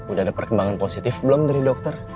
udah ada perkembangan positif belum dari dokter